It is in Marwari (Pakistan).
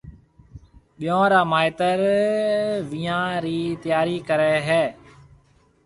ٻيون را مائيتر وينيان رِي تياري ڪرَي ھيََََ